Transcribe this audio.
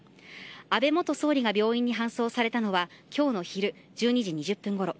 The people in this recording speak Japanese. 安倍元総理が病院に搬送されたのは今日の昼１２時２０分ごろ。